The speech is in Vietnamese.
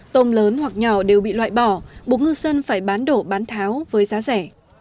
tôm lớn hoặc nhỏ đều bị loại bỏ buộc ngư dân phải bán đổ bán tháo với giá rẻ